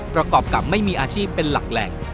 ประกอบกับไม่มีอาชีพเป็นหลักแหล่ง